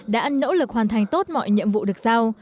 đã nỗ lực hoàn thành tốt mọi nhiệm vụ được giao